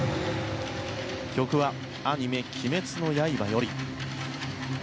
曲はアニメ「鬼滅の刃」より。